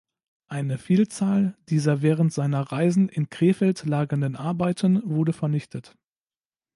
Eine Vielzahl dieser während seiner Reisen in Krefeld lagernden Arbeiten wurde vernichtet.